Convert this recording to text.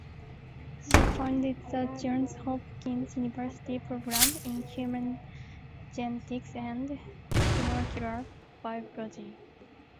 She founded the Johns Hopkins University program in Human Genetics and Molecular Biology.